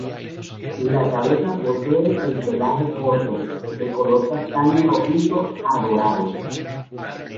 La cabeza posee el pelaje corto, de color castaño-rojizo a dorado.